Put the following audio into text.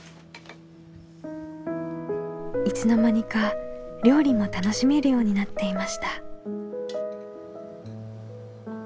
いつの間にか料理も楽しめるようになっていました。